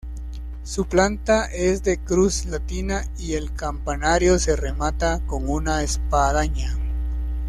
Su planta es de cruz latina y el campanario se remata con una espadaña.